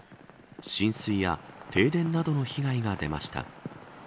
浸水や停電などの被害が出ました。